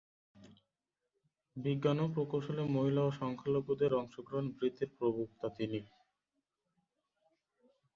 বিজ্ঞান ও প্রকৌশলে মহিলা ও সংখ্যালঘুদের অংশগ্রহণ বৃদ্ধির প্রবক্তা তিনি।